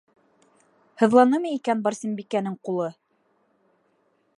Һыҙланымы икән Барсынбикәнең ҡулы?